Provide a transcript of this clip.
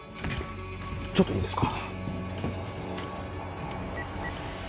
ちょっといいですか？